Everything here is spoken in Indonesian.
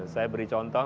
saya beri contoh